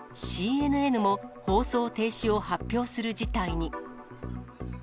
ＣＮＮも、放送停止を発表する事態に。